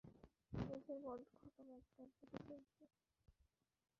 নিজের বদখত মুখটার দিকে দেখ।